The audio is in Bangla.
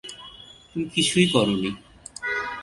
তুমি কিছুই করোনি!